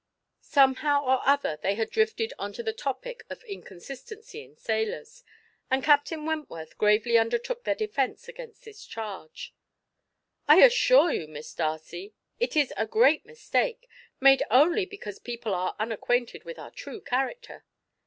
Somehow or other they had drifted on to the topic of inconsistency in sailors, and Captain Wentworth gravely undertook their defence against this charge. "I assure you, Miss Darcy, it is a great mistake, made only because people are unacquainted with our true character.